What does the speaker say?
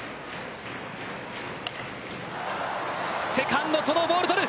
セカンド登藤、ボール捕る。